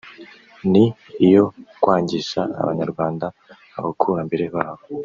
ni iyo kwangisha Abanyarwanda abakurambere babo